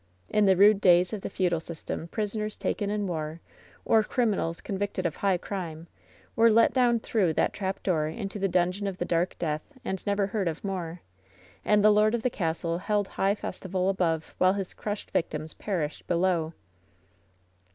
In the rude days of the feudal system prisoners taken in war, or criminals con victed of high crime, were let down through that trap door into the Dungeon of the Dark Death, and never heard of more. And the lord of the castle held high festival above while his crushed victims perished he^ low.'"